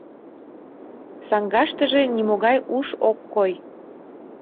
— Саҥгаштыже нимогай уш ок кой».